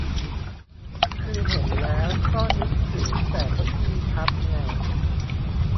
คือเห็นแล้วก็นึกถึงแต่เก้าอี้พับไง